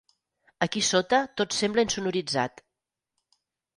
Aquí sota tot sembla insonoritzat.